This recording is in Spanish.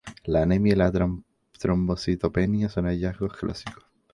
La anemia y la trombocitopenia son hallazgos clásicos.